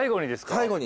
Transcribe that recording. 最後に。